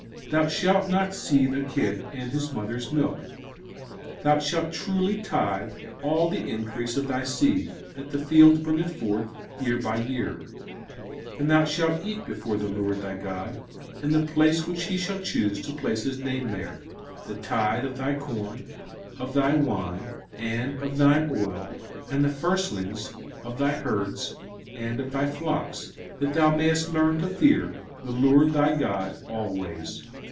Thou shalt not seethe a kid in his mother's milk. 05:014:022 Thou shalt truly tithe all the increase of thy seed, that the field bringeth forth year by year. 05:014:023 And thou shalt eat before the LORD thy God, in the place which he shall choose to place his name there, the tithe of thy corn, of thy wine, and of thine oil, and the firstlings of thy herds and of thy flocks; that thou mayest learn to fear the LORD thy God always.